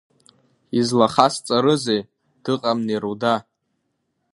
Излахасҵарызеи дыҟам Неруда?